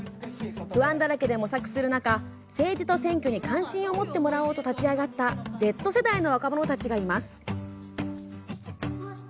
不安だらけで模索する中政治と選挙に関心を持ってもらおうと立ち上がったＺ世代の若者たちがいます。